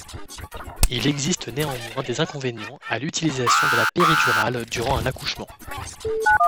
Il existe néanmoins des inconvénients à l'utilisation de la péridurale durant un accouchement.